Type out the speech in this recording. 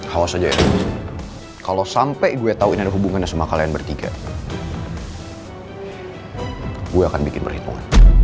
awas aja ya kalo sampe gue tau ini ada hubungan sama kalian bertiga gue akan bikin berhitungan